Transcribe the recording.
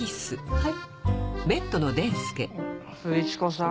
はい。